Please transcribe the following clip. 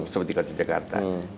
seperti kata jakarta